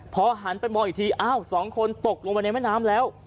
พอหันไปมองอีกทีอ้าวสองคนตกลงไปในแม่น้ำแล้ว